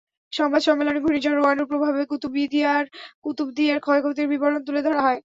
সংবাদ সম্মেলনে ঘূর্ণিঝড় রোয়ানুর প্রভাবে কুতুবদিয়ায় ক্ষয়ক্ষতির বিবরণ তুলে ধরা হয়।